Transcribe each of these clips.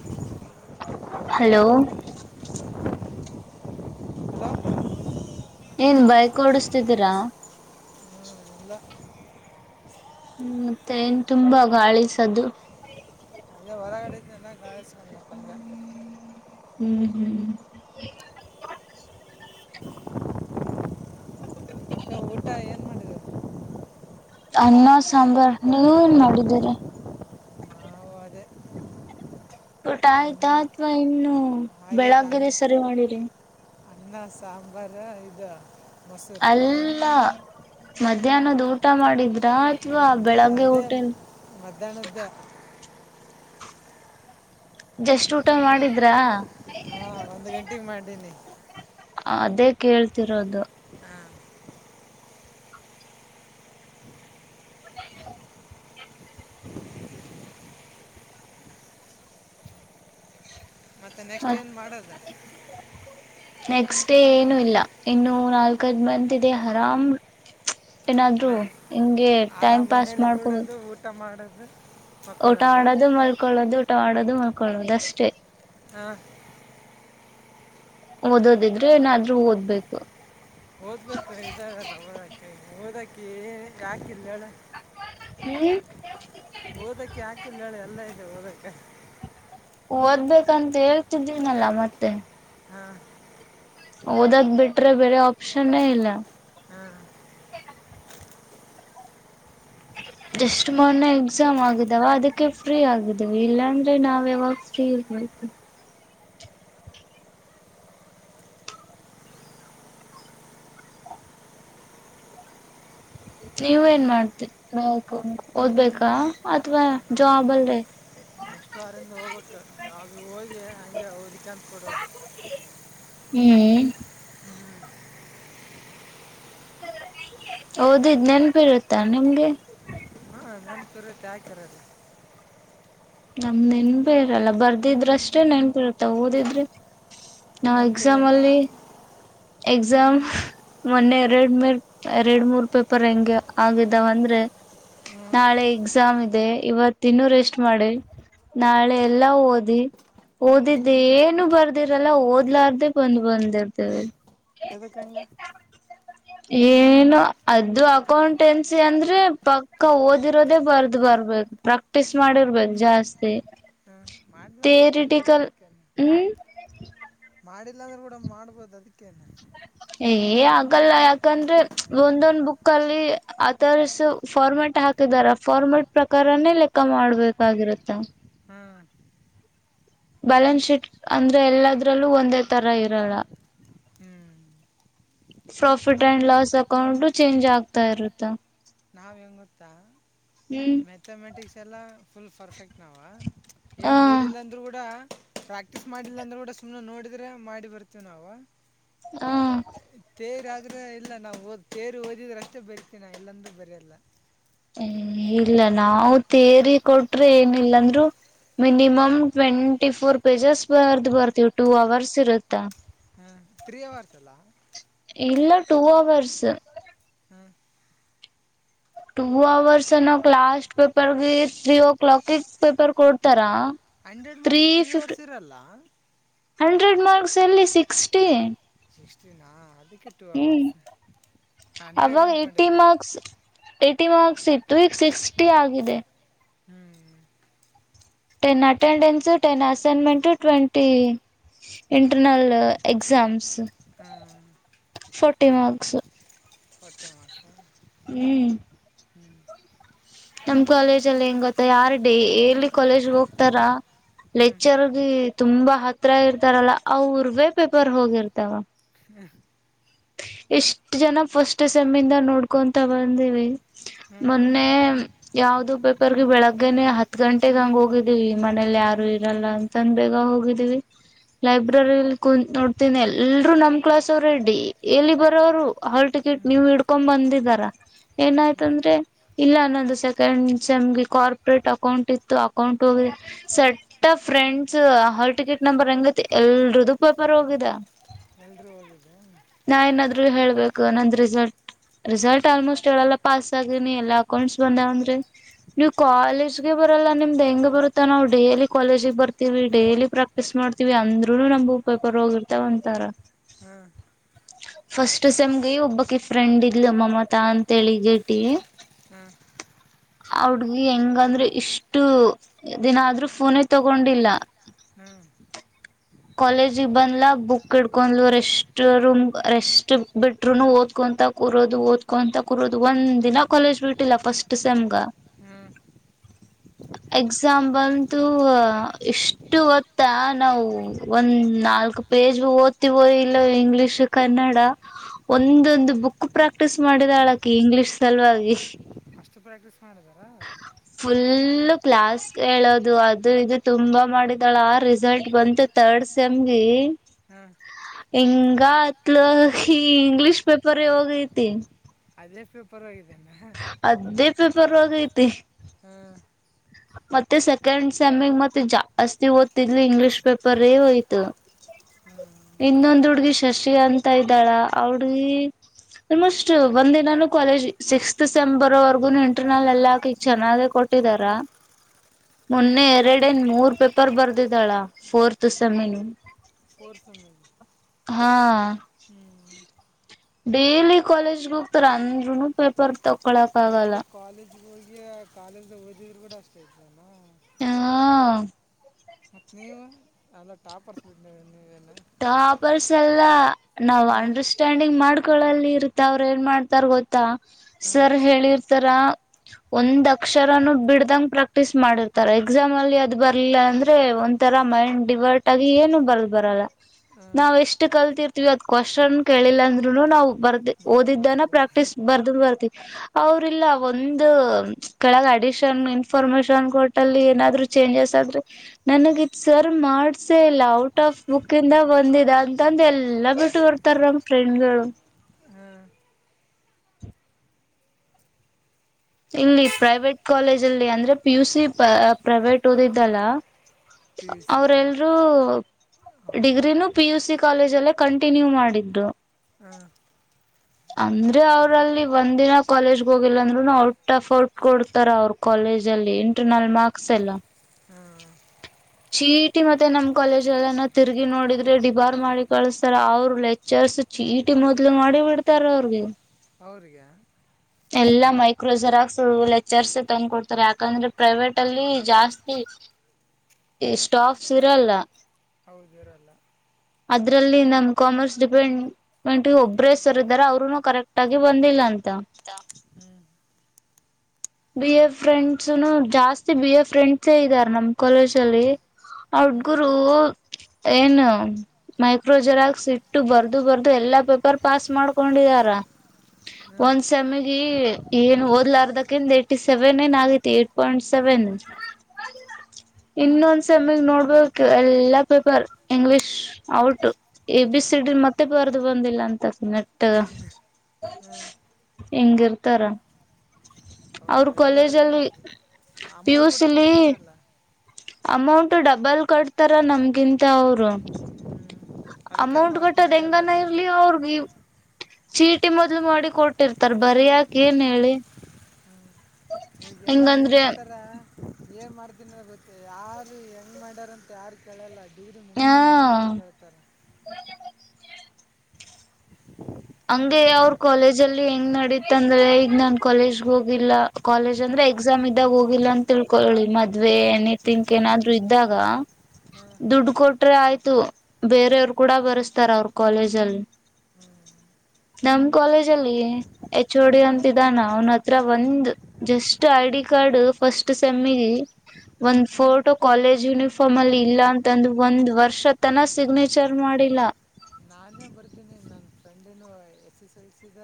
ಹ ಹಲೋ ಹ ಏನ್ ಬೈಕ್ ಓಡಸ್ತಿದೀರಾ ಲ್ಲ [inaudible] ಹ್ಮ್ ಮತ್ತೆನ್ ತುಂಬ ಗಾಳಿಸ್ದು ನಾಳೆ ಸಾಮಪ್ಪಂದ ಹ್ಮ್ ಹ್ಮ್ [inaudible] ಹ ಎಏನ್ ಮಾಡಡಗ [inaudible] [unintelligible] ಅನ್ನ ಸಾಂಬಾರ್ ನೀವ ಏನ್ ಮಾಡಿದ್ದೀರಿ ನಾವು ಅದೇ ಊಟ ಅನ್ನ ಆಯ್ತಾ ಅಥವಾ ಇನ್ನು ಹಾಗೆ ಅನ್ನ ಬೆಳಗ್ಗೆಯ ಸರಿ ಮಾಡಿರಿ. ಅನ್ನ ಸಾಂಬಾರ ಇದು ಮೊಸರು ದಯ ಅಲ್ಲ ಮಧ್ಯಾಹ್ನದ್ ಊಟ ಮಾಡಿದ್ರ ಅದೇ ಅದೇ ಮಧ್ಯಾಹ್ನ್ದ [unintelligible] ಜಸ್ಟ್ ಊಟ ಮಾಡಿದ್ರಾ ಹಾಂ ಒಂದು ಗಂಟೆಗೆ ಮಾಡೀನಿ ಅದೇ ಕೇಳ್ತಿರೋದು. ಹಾಂ ಹಾ ಮತ್ತೆ ನೆಕ್ಸ್ಟ್ ಮತ್ ಏನ್ ಮಾಡದ ನೆಕ್ಸ್ಟ್ ಡೇ ಏನು ಇಲ್ಲ ಇನ್ನು ನಾಲ್ಕದ ಬಂದ ಇದೆ ಆರಾಮ್ [unintelligible] ಏನಾದ್ರು ಮ ಹಿಂಗೆ ಟೈಮ್ ಆರಾಮ್ ಪಾಸ್ ಮನೇಲಿ ಮಾಡ್ಕೋದು. ಕೂಡೋದು ಊಟ ಮಾಡೋದು ಊಟ ಮಕ್ಕೊಳ್ಳೋದು ಆಡೋದು ಮಲ್ಕೊಳ್ಳೋದು ಊಟ ಆೋದು ಮಲ್ಕೊಳ್ಳದು ಅಷ್ಟೇ [unintelligible] ಹಾ ಓದೋದಿದ್ರೆ ಏನಾದ್ರ್ ಓದ್ಬೇಕು ಓದ್ಬೇಕ ಇದಾರಲ್ಲ ಓದಕ ಓದಕಾಕ [unintelligible] ಹ್ಮ್ ಇ ಓದಕ್ಕೆ ಹಾಕಿಲ್ಲ ಎಲ್ಲ ಇದೆ ಓದಕ್ಕೆ ಓದ್ಬೇಕಂತ ಹೇಳ್ತಿದ್ದೀನಲ್ಲ ಮತ್ತೆ. ಹಾ ಹಓದಕ್ ಬಿಟ್ರೆ ಬೇರೆ ಆಪ್ಷನ್ನೇ ಇಲ್ಲ ಹಾಂ [inaudible] ಜಸ್ಟ್ ಮೊನ್ನೆ ಎಕ್ಸಾಮ್ ಆಗಿದಾವ ಅದಕ್ಕೆ ಫ್ರೀ ಆಗಿದವಿ ಇಲ್ಲಾಂದ್ರೆ ನಾವ್ ಯಾವಾಗ ಫ್ರೀ ಇರ್ಬೋುದು [inaudible] ನೀವ ಏನ್ ಮಾಡ್ತ ನೋ [unintelligible] ಓದ್ಬೇಕಾ ಅಥವಾ ನಾವು ಜಾಬ್ ಅಲ್ಲ [unintelligible] [inaudible] ನೆಕ್ಸ್ಟ್ ವಾರಿಂದ ಹೋಗ್ಬೇಕ ಅೂ ಹೋಗಿ ಹಂಗೆ ಅವದಕ್ಕೆ ಅಂತ ಕೊಡೋದು [unintelligible] ಹ್ಮ್ಹು ಹಓದಿದ್ ನೆನಪಿ ಇರುತ್ತಾ ನಿಮ್ಗೆ ಹ ನೆನಪು ಇರುತ್ತೆ ಹಾಕರಲ್ಲ [unintelligible] ನಮ್ದ್ ನೆನ್ಪಿ ಇರಲ್ಲ ಬರ್ದಿದ್ರಷ್ಟೇ ನೆನ್ಪು ಇರುತ್ತ ಓದಿದ್ರೆ ನಾ ಎಕ್ಸಾಮ್ ನೆನ್ಪಿರಲ್ಲ ಅಲ್ಲಿ ಎಕ್ಸಾಮ್ [unintelligible] ಮೊನ್ನೆ ಎರಡು ಮೇರ್ ಎರಡು ಮೂರ್ ಪೇಪರ್ ಹೆಂಗೆ ಆಗಿದಾವ ಅಂದ್ರೆ ಹ್ಞೂ ನಾಳೆ ಎಕ್ಸಾಮ್ ಇದೆ ಇವತ್ತ ಇನ್ನುೂ ರೆಸ್ಟ್ ಮಾಡಿ ನಾಳೆ ಎಲ್ಲಾ ಓದಿ ಓದಿದ್ದ ಏನು ಬರ್ದಿರಲ್ಲ ಓದ್ಲಾರ್ದೆ ಬಂದು್ ಬಂದಿರ್ತೇವೆ [unintelligible] ಎದು ಕಂಗೆ ಏನು ಅದು ಅಕೌಂಟೆನ್ಸಿ ಅಂದ್ರೆ ಪಕ್ಕ ಓದಿರೋದೇ ಬರ್ದು ಬ [unintelligible] [unintelligible] ರ್ಬ ಪ್ರಾಕ್ಟಿಸಸ್ ಮಾಡಿರ್ಬೇದು ಜಾಸ್ತಿ ಹ್ಞೂ ಮಾಡಿಲ್ಲ ಅಂದ್ರೆ ಬರಿಬೋದು ತೇರಿಟಿಕಲ್ ಅದಕ್ಕೇನೆ ಹ್ಮ್ ಮಾಡಿಲ್ಲ ಅಂದ್ರೆ ಕೂಡ ಮಾಡ್ಬೋದು ಅದಕ್ಕೇನೆ ಏ ಆಗಲ್ಲ ಯಾಕಂದ್ರೆ ಒಂದೊಂದ ಬುಕ್ಕಲ್ಲಿಅಥರ್ಸ್ ಫಾರ್ಮೆಟ್ ಹಾಕ [unintelligible] ರ ಫಾರ್ಮೆಟ್ ಪ್ರಕಾರನೇ ಲೆಕ್ಕ ಮಾಡ್ಬೇಕಾಗಿರುತ್ತ ಹ್ಞೂ ಬ್ಯಾಲೆನ್ಸ್ ಶೀಟ್ ಅಂದ್ರೆ ಎಲ್ಲದ್ರಲ್ಲೂ ಒಂದೇ ತರ ಇರಲ್ಲ ಹ್ಞೂ ನಾ ಪ್ರಾಫಿಟ್ ಅಂಡ [unintelligible] ಲಾಸ್ ಅಕೌಂಟು ಚೇಂಜ್ ಆಗ್ತಾ ಇರುತ್ತೆ ನಾವು ಗೊತ್ತಾ ಹ್ಮ್ ಮ್ಯಾಥಮೆಟಿಕ್ಸ್ ಎಲ್ಲ ಫುಲ್ ಪರ್ಫೆಕ್ಟ್ ನಾವ ಹ ಏನು ಓದಿಲ್ಲ ಅಂದ್ರರು ಕೂಡ ಪ್ರಾಕ್ಟೀಸ್ ಮಾಡಿಲ್ಲ ಅಂದ್ರೂ ಕೂಡ ಸುಮ್ನೆ ನೋಡಿದ್ರೆ ಮಾಡಿ ಬರ್ತೀವಿ್ ನಾವು ಹಾ [unintelligible] ಅ್ರೆ ಇಲ್ಲ ನಾವು ಹ್ ಕೇ ಓದಿದ್ರ ಅಷ್ಟೇ ಬರಿೀತೀವಿ ನಾ ಇಲ್ಲಂದೂ ಬರಯಲ್ಲ ಇಲ್ಲ ನಾವು ತೇರಿ ಕೊಟ್ರೆ ಏನಿಲ್ಲಂದ್ರು ಮಿನಿಮಮ್ ಟ್ವೆಂಟಿ ಫೋರ್ ಪೇಜಸ್ ಬರ್ದು ಬರ್ತೀವಿ ಟೂ ಅವರ್ಸ್ ಇರುತ್ತಾ [unintelligible] [inaudible] ಹಾಂ ತ್ರೀ ಅವರ್ಸ್ ಅಲ್ಲಾ ಇಲ್ಲ ಟೂ ಅವರ್ಸ ಹ್ಮ್ ಟೂ ಅವರ್ಸ್ ಅನ್ನೋಕ್ ಲಾಸ್ಟ್ ಪೇಪರ್ಗೆ ತ್ರೀ ಓ ಕ್ಲಾಕಗೆ ಪೇಪರ್ ಕೊಡ್ತಾರ ಹಂಡ್ರೆಡ್ ಮಾರ್ಸ್ ತ್ರೀ ಅವರ್ಸ್ ಇರಲ್ಲ ಹಂಡ್ರೆಡ್ ಮಾರ್ಕ್ಸ್ ಅಲ್ಲಿ ಸಿಕ್ಸ್ಟಿ ಇಷ್ಟಿನ ಅದಕ್ಕೆ [unintelligible] ಹ್ಮ್ ಅವರ್ಸ್ ಹಂಡ್ರೆಡ್ ಅವಾಗ ಹೈಟಿ ಅಂದ್ಕೊಂಡಿದ್ದೆ ಮಾರ್ಸ್ ಹೈಟಿ ಮಾರ್ಕ್ಸ್ ಇತ್ತು ಸಿಕ್ಸ್ಟಿ ಆಗಿದೆ ಹ್ಮ್ ten attendance ten assignment twenty internal exams ಹಾಂ ಫೋರ್ಟಿ ಮಾರ್ಕ್ಸ್ ಪಾರ್ಟಿ ಮಾರ್ಕ್ಸ್ ಹ್ಮ್ ಹ್ಞೂ ನಮ್ ಕಾಲೇಜ ಅಲ್ಲಿ ಹೆಂಗ ಗೊತ್ತ ಯಾರ ಡೇ ಎಲ್ಲಿ ಕಾಲೇಜ್ ಹೋಗ್ತಾರ ಹ್ಞೂ ಲೆಕ್ಚರ್ಗೆ ತುಂಬಾ ಹತ್ರ ಇರ್ತಾರಲ್ಲ ಅವರ್ವೇ ಪೇಪರ್ ಹೋಗಿರ್ತಾವ ಹ ಎಷ್ಟ್ ಜನ ಫಸ್ಟ್ ಸೆಮ್ಮಿಂದ ನೋಡ್ಕೊಂತ ಬಂದವಿ ಹ್ಞೂ ಮೊನ್ನೆ ಯಾವ್ದದು ಪೇಪರ್ಗೆ ಬೆಳಗ್ಗೆೇನೆ ಹತ್ ಗಂಟೆಗೆ ಹಂಗ ಹೋಗಿದ್ದೀವಿ ಮನೇಲಿ ಯಾರು ಇರಲ್ಲ ಅಂತಂದ ಬೇಗ ಹೋಗ ಹವಿ ಲೈಬ್ರರಿಲ್ಲಿ ಕುತ್ ನೋಡ್ತೀನಿ ಎಲ್ರೂ ನಮ್ ಕ್ಲಾಸ್ ರೆಡಿ ಎಲ್ಲಿ ಬರೋರು ಹಾಲ್ ಟಿಕೆಟ್ ಹ್ಞೂ ನೀವು್ ಇಡ್ಕೊಂಡ್ ಬಂದಿದಾರ ಏನಾಯ್ತ ಹ್ಞೂ ಅಂದ್ರೆ ಇಲ್ಲ ಅ ಒಂದು ಸೆಕೆಂಡ್ ಸೆಮ್ಗೆ ಕಾರ್ಪೋರೇಟ್ ಅಕೌಂಟ್ ಇತ್ತು ಅಕೌಂಟ್ ಹೋಗ ಸಟ್ಟ ಫ್ರೆಂಡ್ಸ್ ಹಾಲ್ ಟಿಕೆಟ್ ನಂಬರ್ ಹೆಂಗತಿ ಎಲ್ರದು ಪೇಪರ್ ಹೋಗಿದ ಎಲ್ರೂ ಹೋಗಿದ್ದ ನಾ ಏನಾದ್ರು ಹೇಳ್ಬೇಕು ನಂದ್ ರಿಸಲ್ಟ್ ರಿಸಲ್ಟ್ ಆಲ್ಮೋಸ್ಟ್ ಏಲ್ಲ ಪಾಸ್ ಆಗನಿ ಎಲ್ಲಾ ಅಕೌಂಟ್ಸ್ ಬಂದ ಅಂದ್ರಿ ನೀವ್ ಕಾಲೇಜ್ಗೆ ಬರಲ್ಲ ನಿಮ್ದ್ ಹೆಂಗ ಬರುತ್ತ ನಾವು ಡೇಲಿ ಕಾಲೇಜಿಗೆ ಬರ್ತವಿ ಇವಿ ಡೇಲಿ ಪ್ರಾಕ್ಟೀಸ್ ಮಾಡ್ತೀವಿ ಅಂದ್ರುನು ನಮು ಉ ಪೇಪರ್ ಹೋಗಿರ್ತಾವ ಒಂತಾರ ಹ್ಮ್ ಫಸ್ಟ್ ಸೆಮ್ಗೆ ಒಬ್ಬಕ್ ಫ್ರೆಂಡ್ ಇಲ್ಮ್ಮಮ್ಮತ ಅಂತ ಹೇಳಿಗಟಿ ಹ್ಮ ಅವಡ್ಗಿ ಹೆಂಗಂದ್ರೆ ಇಷ್ಟು ದಿನ ಆದ್ರೂ ಫೋನೇ ತಗೊಂಡಿಲ್ಲ ಹ್ಞೂ ಕಾಲೇಜಗ್ ಬಂದ್ಲ ಬುಕ್ ಇಡ್ಕೊಂಡ್ಲು ರೆಸ್ಟ್ ರೂಮ್ ರೆಸ್ಟ್ ಬಿಟ್ರುನು ಓದ್ಕೊಂಡ್ ಂತ ಕೂರೋದು ಓದ್ಕೊಂತ ಕೂರೋದು ಒಂದ್ ದಿನ ಕಾಲೇಜ್ ಬಿಟ್ಟಿಲ್ಲ ಫಸ್ಟ್ ಸೆಮ್ಗ [inaudible] ಹ್ಞೂ [unintelligible] ಎಕ್ಸಾಂಪಲ್ಂತು ಇಷ್ಟು ಹೊತ್ತ ನಾವು ಒಂದ್ ನಾಲ್ಕು ಪೇಜ್ ಓದ್ತಿವೋ ಇಲ್ಲ ಇಂಗ್ಲಿೀಷ್ ಕನ್ನಡ ಒಂದೊಂದು ಬುಕ್ ಪ್ರಾಕ್ಟೀಸ್ ಮಾಡಿದ ಅಳಕ ಇಂಗ್ಲೀಷ್ ಸಲುವಾಗಿ ಅಷ್ಟು ಪ್ರಾಕ್ಟೀಸ್ ಮಾಡಿದಾರಾ ಎ ಕ್ಲಾಸ್ ಹೇಳೋದು ಅದು ಇದು ತುಂಬಾ ಮಾಡಿದಾಳ ಆ ರಿಸಲ್ಟ್ ಬಂತು ತರ್ಡ್ ಸೆಮ್ಗೆ ಹಾಂ ಹಂಗ ಅತ್ಲ ಇಂಗ್ಲಿಷ್ ಪೇಪರ್ ಹೋಗೈತಿ ಅದೇ ಪೇಪರ್ ಆಗತ್ತು ಅದೇ ಪೇಪರ್ವಾಗ ೈತಿ ಹ್ಮ್ ಮತ್ತೆ ಸೆಕೆಂಡ್ ಸೆಮಗ್ ಮತ್ತೆ ಜಾಸ್ತಿ ಓದ್ತಿದ್ಲಿ ಇಂಗ್ಲಿೀಷ್ ಪೇಪರ್ೇ ಹೋಯ್ತು ಇನ್ನೊಂದು ಹುಡ್ಗಿ ಶಶಿ ಅಂತ ಇದ್ದಾಳ ಅವ ಹುಡ್ಗಿ ಆಲ್ಮೋಸ್ಟ್ ಒಂದ್ ದಿನಾನು ಕಾಲೇಜ್ ಸಿಕ್ಸ್ತ್ ಸೆಂಬರ್ವರೆಗನು ಇಂಟರ್ನಲ್ ಎಲ್ಲಾಕಿ ಚೆನ್ನಾಗೆ ಕೊ ಕೊಟ್ಟಿದಾರಾ ಮೊನ್ನೆ ಎರಡ ನ್ ಮೂರ್ ಪೇಪರ್ ಬರ್ದಿದಾಳ ಫೋರ್ತ್ ಸೆಮನ್ ಫೋರ್ತ್ ಸೆಮ್ ಇದು ಹಾ ಹ್ಞೂ ಡೇಲಿ ಕಾಲೇಜ್ಗೆ ಹೋಗ್ತಾರ ಅಂದ್ರುನು ಪೇಪರ್ ತಕೊಳಕ್ ಆಗಲ್ಲ ಡೈಲಿ ಕಾಲೇಜ್ ಹೋಗಿ ಕಾಲೇಜ ಓದಿದ್ರು ಕೂಡ ಅಷ್ಟ ಆತ ನಾನು ಹಾ ಮತ್ತತ್ ನೀವು ಎಲ್ಲ ಟಾಪರ್ಸ್ ಬ ನೀವಲ್ಲ ಟಾಪರ್ಸ್ ಎಲ್ಲಾ ನಾವ್ ಹಾಂ ಅಂಡರ್ಸ್ಟ್ಯಾಂಡಿಂಗ್ ಮಾಡ್ ಗಳಲ್ಲಿ ಇರ್ತ ಅವ್ರ ಏನ್ ಮಾಡ್ತಾರ ಗೊತ್ತಾ ಹಾಂ ಸರ್ ಹೇಳಿರ್ತಾರ ಒಂದ ಅಕ್ಷರ ಬಿಡ್ದಂಗ ಪ್ರಾಕ್ಟೀಸ್ ಮಾಡಿರ್ತಾರೆ ಎಕ್ಸಾಮ್ ಅಲ್ಲಿ ಅದು ಬರ್ಲಿಲ್ಲ ಅಂದ್ರೆ ಒಂಥರ ಮೈಂಡ್ ಡಿ ಬಟ್ ಅದ ಏನು ಬರಲ್ ಬರಲ್ಲ ಹಾಂ ನಾವ್ ಎಷ್ಟ್ ಕಲ್ತಿರ್ತಿೀವಿ ಅದ್ ಕ್ವಸ್ನ್ ಕೇಳಿಲ್ಲ ಅಂದ್ರುನು ನಾವು ಬರ್ದ ಬರ್ದು ಓದಿದ್ದನ ಬರ್ತಾರೆ ಪ್ರಾಕ್ಟೀಸ್ ಬರ್ದ ಬರ್ತಿತಿ ಅವ್ರಲ್ಲ ಒಂದು ಕೆಳಗ ಅಡಿಷನ್ ಇನ್ಫಾರ್ಮೇಶನ್ ಕೊಟ್ಟಲ್ಲಿ ಏನಾದ್ರು ಚೇಂಜಸ್ ಆದ್ರೆ ನನಗೆ ಇ ಸರ್ ಮಾಡ್ಸ ಇಲ್ಲ ಔಟ್ ಆಫ್ ಬುಕ್ ಕ್ಕಿಂದ ಬಂದಿದ ಅಂತಂದ ಎಲ್ಲಾ ಬಿಟ್ಟು ಬರ್ತಾರ ನಮ್ ಫ್ರೆಂಡ್ಗಳು ಹಾಂ ಇಲ್ಲಿ ಪ್ರೈವೇಟ್ ಕಾಲೇಜ ಅಲ್ಲಿ ಅಂದ್ರೆ ಪಿ ಯು ಸಿ ಪ್ರೈವೇಟ್ ಓದಿದ್ದಲ್ಲ ಪಿ ಯು ಸಿ ಅವ್ರಲ್ರೂ ಹೌದು ಡಿಗ್ರಿನೂ ಪಿ ಯು ಸಿ ಕಾಲೇಜ್ ಅಲ್ಲೇ ಕಂಟಿನ್ಯೂ ಮಾಡಿದ್ರು ಹ್ಮ ಅಂದ್ರೆ ಅವ್ರಲ್ಲಿ ಒಂದ್ ದಿನ ಕಾಲೇಜ್ ಹೋಗಿಲ್ಲ ಅಂದ್ರುನು ಅವ ಔಟ್ ಆಫ್ ಔಟ್ ಕೊಡ್ತಾರ ಅವ್ರ ಕಾಲೇಜ್ ಅಲ್ಲಿ ಇಂಟರ್ನಲ್ ಮಾರ್ಕ್ಸ್ ಎಲ್ಲ ಹಾಂ ಚೀಟಿ ಮತ್ತೆ ನಮ್ ಕಾಲೇಜ್ ಎಲ್ಲನ ತಿರುಗಿ ನೋಡಿದ್ರೆ ಡಿಬಾರ್ ಮಾಡಿ ಕಳಸ್ತಾರ ಅವರು ಲೆಕ್ಚರ್ಸ್ ಚಿಯಿಟಿ ಮೊದ್ಲು ಮಾಡಿ ಬಿಡ್ತಾರ ಅವ್ರಿಗೆ ಅವ್ರಿಗೆ ಎಲ್ಲ ಮೈಕ್ರೋ ಜೆರಾಕ್ಸ್ ಲೆಕ್ಚರ್ಸ್ ತಂದು ಕೊಡ್ತಾರೆ ಯಾಕಂದ್ರೆ ಪ್ರೈವೇಟ್ ಅಲ್ಲಿ ಜಾಸ್ತಿ ಸ್ಟಾಫ್ಸ್ ಇರಲ್ಲ ಹೌದು ಇರಲ್ಲ ಅದ್ರಲ್ಲಿ ನಮ ಕಾಮರ್ಸ್ ಡಿಪೆಂಡೆಂಟ್ ಒಬ್ಬ್ರ ಹೆಸರ ಇದ್ದಾರೆ ಅವರುನು ಕರೆಕ್ಟ್ ಆಗಿ ಬಂದಿಲ್ಲ ಅಂತ ಅಂತ [inaudible] [inaudible] ಬಿ ಎ ಫ್ರೆಂಡ್ಸ್ನು ಜಾಸ್ತಿ ಬಿ ಎ ಫ್ರೆಂಡ್ಸೇ ಇದ್ದಾರೆ ನಮ್ ಕಾಲೇಜ ಅಲ್ಲಿ ಹ್ಞೂ ಹುಡುಗ್ರು ಏನು ಮೈಕ್ರೋಜೆರಾಕ್ಸ್ ಇಟ್ಟು ಬರ್ದು ಬರ್ದು ಎಲ್ಲಾ ಪೇಪರ್ ಪಾಸ್ ಮಾಡ್ಕೊಂಡಿದಾರೆ ಹ್ಞೂ ಒಂದ್ ಸೆಮಿಗೆ ಏನು ಓದ್ಲಾರ್ದಕ್ಕಿಂನ್ ಎಯಿಟ್ ಸೆವೆನ್ ಏನ್ ಆಗೈತಿ ಏಟ್ ಪಾಯಿಂಟ್ ಸೆವೆನ್ ಇನ್ನೊಂದ್ ಸೆಮ್ಮಿಗ್ ನೋಡ್ಬೇಕು ಎಲ್ಲಾ paper English out A B C D ಮತ್ತೆ ಬರ್ದು ಬಂದಿಲ್ಲ ಅಂತ ನೆಟ್ಟ ಹ್ಞೂ ಹೆಂಗಿರ್ತಾರ ಹೌದು ಅವ್ರ ಇದ್ದಾರೆ ಕಾಲೇಜ ಬಿಡ ಅಲ್ಲಿ ಪಿ ಯು ಅಮೌಂಟ್ ಸಿ ಕೂಡ ಲ್ಲಿ ಕೊಡ್ತಾರಲ್ಲ ಅಮೌಂಟ್ ಡಬಲ್ ಕಡ್ತಾರ ನಮಗಿಂತ ಅವರು ಹ್ಮ್. ಅದಕ್ಕೆ ಅಮೌಂಟ್ ಪಾಸ್ ಕೊಟ್ಟೋದ ಮಾಡಿ ಎಲ್ಲ ಹೆಂಗನ ಇರ್ಲಿ ಬಿಡ್ತಾರೆ ಅವ್ರಗ ಚೀಟಿ ಮೊದ್ಲು ಮಾಡಿ ಕೊಟ್ಟಿರ್ತಾರ ಬರಿಯಾಕ ಏನ್ ಹೇಳಿ ಇವಗ ಎಲ್ಲರೂ ಹೆಂಗಂದ್ರೆ ಏನಂತಾರೆ. ಏನ್ ಮಾಡ್ತೀನ ಗೊತ್ತ ಯಾರು ಹೆಂಗ್ ಮಾಡ್ಯಾರ ಅಂತ ಯಾರು ಕೇಳಲ್ಲ ಪಿ ಯು ಸಿ ಹಾ ಮುಗಿಸಿಯೇನ ಅಷ್ಟೇ ಕೇಳ್ತಾರೆ. ಹಂಗೆ ಅವ್ರು ಅವರು ಕಾಲೇಜ ಅಲ್ಲಿ. ಹೆಂಗ ನಡೀತ ಅಂದ್ರೆ ಈಗ ನಾನ್ ಕಾಲೇಜ್ ಹೋಗಿಲ್ಲ ಕಾಲೇಜ್ ಎಕ್ಸಾಮ್ ಇದ್ದಾಗ ಹೋಗಿಲ್ಲ ಅಂತ ತಿಳ್ಕೊ ಮದುವೇ ಎನಿ ಥಿಂಕ್ ಏನಾದ್ರೂ ಇದ್ದಾಗ ಹಾಂ ದುಡ್ಡು ಕೊಟ್ರೆ ಆಯ್ತು ಬೇರೆಯವರು ಕೂಡ ಬರಸ್ತಾರ ಅವರು ಕಾಲೇಜಲ್ಲಿ [unintelligible] ನಮ್ ಕಾಲೇಜ ಅಲ್ಲಿ ಎಚ್ ಓ ಡಿ ಅಂತಿದ್ದಾನ ಅವನ ಹತ್ರ ಒಂದ್ ಜಸ್ಟ್ ಐಡಿ ಕಾರ್ಡ್ ಫಸ್ಟ್ ಸೆಮಿಗೆ ಒಂದ್ ಫೋಟೋ ಕಾಲೇಜ್ ಯುನಿಫಾರ್ಮ್ ಅಲ್ಲಿ ಇಲ್ಲ ಅಂತಂದ ಒಂದ್ ವರ್ಷತನ ಸಿಗ್ನೇಚರ್ ಮಾಡ ಮಾಡಿಲ್ಲ ನಾನೇ ಬರ್ತೀನಿ ನನ್ನ ಫ್ರೆಂಡನು ಎಸ್ ಎಸ್ ಎಲ್ಸಿದ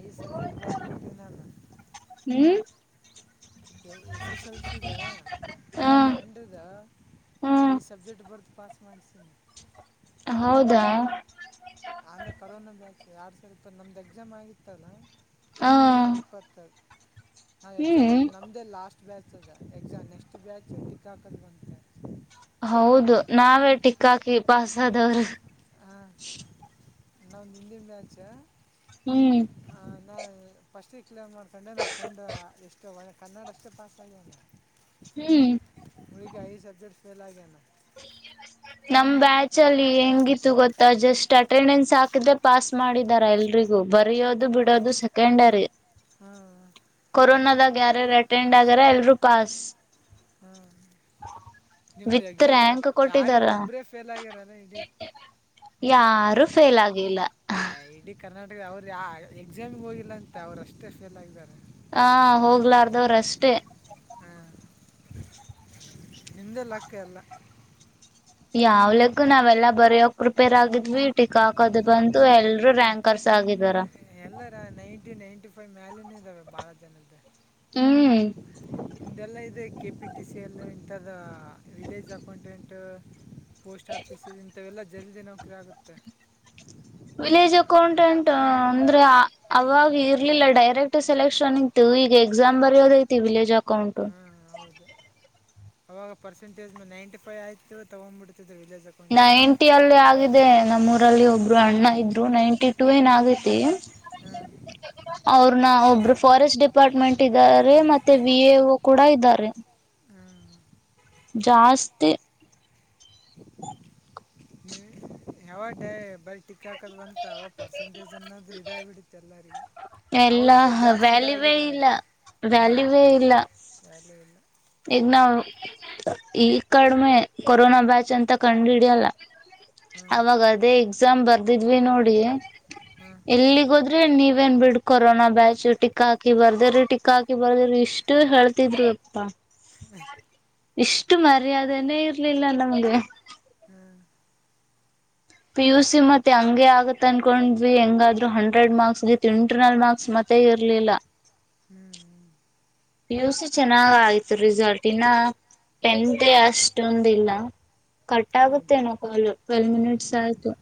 ಐದು ಸಬ್ಜೆಕ್ಟ್ ಬರ್ ಹ್ಮ್ ಎಸ್ ಎಸ್ ಎಲ್ ಸಿ ಇ ಹ ನ ಫ್ರೆಂಡ್ ಇದೆ ಹ್ಮ್ ಐದು ಸಬ್ಜೆಕ್ಟ್ ಬರ್ದು ಪಾಸ್ [unintelligible] ಹೌದಾ ಅಂದ್ರ ಕರೋನಾ ಬ್ಯಾಚ್ ಎರಡ್ ಸೇಮ್ ಇದ್ದು ನಮ್ದ್ ಎಕ್ಸಾಮ್ ಆಗಿತ್ತಲ್ಲಾ ಹಾ ಹ ಎರಡ್ ಸಾವಿರ ಇಪ್ಪತ್ತ ಹಾ ಎಕ್ಸಾಮ್ ಹ್ಮ್ ಬರ್ದು ನಮ್ದೇ ಲಾಸ್ಟ್ ಬ್ಯಾಚ್ ಅದ ಎಕ್ಸಾಮ್ ನೆಕ್ಸ್ಟ್ ಬ್ಯಾಚ್ ಟಿಕ್ಕಾಕದ ಬಂತೆ ಹೌದು ನಾವೇ ಟಿಕ್ಕ ಹಾಕಿ ಪಾಸದವರು ನನ್ನ ಹಿಂದಿನ ಬ್ಯಾಚ್ ಹ್ಮ್ ನಾನ ಫಸ್ಟಿಗೆ ಕ್ಲೇರ್ ಮಾಡ್ಕೊಂಡೆ ನಮ್ಮ ಫ್ರೆಂಡು ಎಷ್ಟು ಒ ಕನ್ನಡಷ್ಟೇ ಪಾಸಗ್ಯಲ್ಲ ಹ್ಮ್ ಈಗ ಐದ ಸಬಜೆಕ್ಟ್ ಫೇಲ್ ಆಗ್ಯನ್ ಆಗ ನಾ ಹ ನಮ್ ಬ್ಯಾಚ ಅಲ್ಲಿ ಹೆಂಗಿತ್ತು ಗೊತ್ತಾ ಜಸ್ಟ್ ಅಟೆಂಡೆನ್ಸ್ ಹಾಕಿದ್ರೆ ಪಾಸ್ ಮಾಡಿದಾರ ಎಲ್ಲಿ ರಿಗ ಬರಯೋದು ಬಿಡೋದು ಸೆಕೆಂಡ್ರಿ ಹ್ಮ ಕೊರೋನದಾಗ ಯಾರ್ಯಾರು ಅಟೆಂಡ್ ಆಗ್ಯಾರ ಎಲ್ರು ಪಾಸ್ ಹಾಂ ನಿಮ್ದು ವಿತ್ ಎಕ್ಸಾಮ್ ರ್ಯಾಂಕ್ ಯಾರೇ ಕೊಟ್ಟಿದಾರ ಒಬ್ರೇ ಫೇಲ್ ಆಗ್ಯಾರಲ್ಲ ಇಡೀ ಯಾರು ಫೇಲ್ ಆಗಿಲ್ಲ ಆ ಇಡೀ ಕರ್ನಾಟಕದ ಅವರು ಯ ಎಕ್ಸಾಮಗೆ ಹೋಗಿಲ್ಲ ಅಂತ ಅವ್ರು ಅಷ್ಟೇ ಫೇಲ್ ಆಗಾರೆ ಹಾ ಹೋಗ್ಲಾರ್ದವ್ರ ಅಷ್ಟೇ [inaudible] ನಿಮ್ದೆ ಲಾಖ ಅಲ್ಲ ಯಾವ್ಲಗೂ ನಾವೆಲ್ಲಾ ಬರಯಕ್ ಪ್ರಿಪೇರ್ ಆಗಿದ್ವಿ ಟಿಕಾಕ ಅದು ಬಂದು ಎಲ್ರುೂ ರ್ಯಾಂಕರ್ಸ್ ಾಗಿದಾರಾ ಎಲ್ಲಾರ ನೈನ್ಟಿ ನೈನ್ಟಿ ಫೈವ್ ಮ್ಯಾಲನ ಇದ್ದಾವೆ ಬಾಳ ಜನದ್ದ ಹ್ಮ್ ಇದೆಲ್ಲ ಇದೆ ಕೆ ಪಿ ಟಿ ಸಿಿಯಲ್ಲಿ ಇಂಥದ ವಿಲೇಜ್ ಅಕೌಂಟೆಂಟ್ ಪೋಸ್ಟ್ ಆಫೀಸ್ ಇಂಥವೆಲ್ಲ ಜಲ್ದಿ ನೌಕರಿ ಆಗುತ್ತೆ ವಿಲೇಜ್ ಅಕೌಂಟೆಂಟ್ ಅಂದ್ರೆ ಅವಾಗ ಇರ್ಲಿಲ್ಲ ಡೈರೆಕ್ಟ್ ಸೆಲೆಕ್ಷನ್ ಇತ್ತು ಈಗ ಎಕ್ಸಾಮ್ ಬರೆಯೋದ ಐತಿ ವಿಲೇಜ್ ಅಕೌಂಟ್ು ಹಾಂ ಹೌದು ಅವಾಗ ಪರ್ಸೆಟೇಜ್ ನೈಟಿ ೈ ಆಯ್ು ತಗೊಬಿಟ್ಟು ನ ಎಂಟಿಿಯಲ್ಲಿ ಆಗಿದೆ ನಮ್ಮೂ ಲ್ಲಿ ಒಬ್ರು ಅಣ್ಣ ಇದ್ರು ನೈಂಟಿ ಟೂ ಏನ್ ಆಗೈತಿ ಹಾಂ ಅವ್ರನ್ನ ಒಬ್ರು ಫಾರೆಸ್ಟ್ ಡಿಪಾರ್ಟ್ಮೆಂಟ್ ಇದ್ದಾರೆ ಮತ್ತೆ ವಿ ಎಒ ಕೂಡ ಇದ್ದಾರೆ ಹಾಂ ಜಾಸ್ತಿ ನೀವು ಯಾವಾಗ ೇ ಬರ ಟಕ್ ಹಾಕದ್ ಬಂತ ಅವ ಪರ್ಸೆಂಟೇಜ್ ಅನ್ನೋದು ಇದ ಬಿಡತ್ತ ಎಲ್ಲಗ ಎಲ್ಲಾ ವ್ಯಾಲಿವೇ ಇಲ್ಲ ಹಾಂ ವ್ಯಾಲಿವೇ ಇಲ್ಲ ವ್ಯಾಲ್ಯೂ ಇಲ್ಲ ಈಗ ನಾವ್ ಈ ಕಡಿಮೆ ಕೊರೋನಾ ಬ್ಯಾಚ್ ಅಂತ ಕಂಡಹಿಡ್ಯಲ್ಲ ಹ್ಞೂ ಅವಾಗ ಅದೇ ಎಕ್ಸಾಮ್ ಬರ್ದಿದ್ವಿ ನೋಡಿ ಹ್ಞೂ ಎಲ್ಲಿಗೋದ್ರೆ ನೀ ೇನ್ ಬಿಡ್ ಕೊರೋನಾ ಬ್ಯಾಚು ಟಿಾ ಹಾಕಿ ಬರ್ದ್ರೀ ಟಿಾ ಹಾಕಿ ಬರ್ದ್ರರಿ ಇಷ್ಟು ಹೇಳ್ತಿದ್ರು ಅಪ್ಪಾ ಇಷ್ಟು ಮರ್ಯಾದನೇ ಇರ್ಲಿಲ್ಲ ನಮ್ಗೆ ಹ್ಞೂ ಪಿ ಯು ಸಿ ಮತ್ತೆ ಹಂಗೆ ಆಗತ್ ಅನ್ಕೊಂಡ್ವಿ ಹೆಂಗಾದ್ರು ಹಂಡ್ರೆಡ್ ಮಾರ್ಕ್ಸ್ ಗಿತ್ ಇಂಟರ್ನಲ್ ಮಾರ್ಕ್ಸ್ ಮತ್ತ ಇರ್ಲಿಲ್ಲ ಹ್ಞೂ ಹ್ಞೂ ಪಿ ಯು ಸಿ ಚೆನ್ನಾಗ್ ಆಗತು ರಿಸಲ್ಟ್ ಇನ್ನ ಎಂತೆ ಅಷ್ಟೊಂದಿಲ್ಲ ಕಟ್ ಆಗುತ್ತೆ ನ ಕಾಲ್ ಟ್ವೆಲ್ ಮಿನಿಟ್ಸ್ ಆಯ್ತು